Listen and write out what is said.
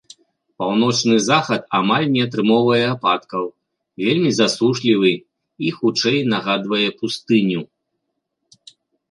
Паўночны захад амаль не атрымоўвае ападкаў, вельмі засушлівы і, хутчэй, нагадвае пустыню.